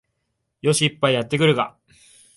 よし、一杯やってくるか